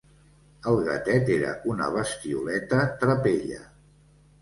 El gatet era una bestioleta trapella.